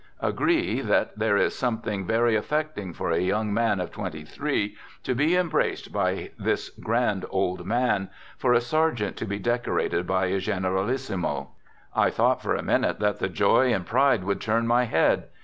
Agree, that there is something very affecting for a young man of twenty three to be embraced by this grand old man, for a sergeant to be decorated by a gen eralissimo. I thought for a minute that the joy and pride would turn my head.